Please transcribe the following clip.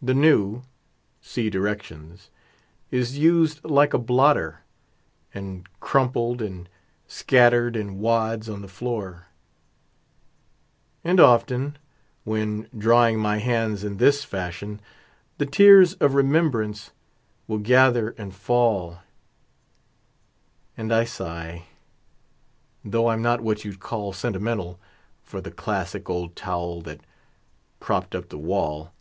The new (see directions) is "used like a blotter," And crumpled and scattered in wads on the floor. And often, when drying my hands in this fashion, The tears of remembrance will gather and fall, And I sigh (though I'm not what you'd call sentimental) For the classic old towel that propped up the wall.